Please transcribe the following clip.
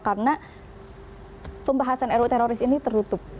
karena pembahasan ruu teroris ini tertutup